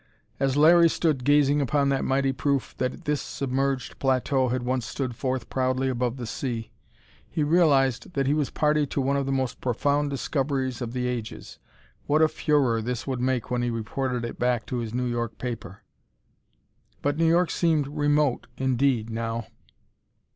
As Larry stood gazing upon that mighty proof that this submerged plateau had once stood forth proudly above the sea, he realized that he was a party to one of the most profound discoveries of the ages. What a furore this would make when he reported it back to his New York paper! But New York seemed remote indeed, now.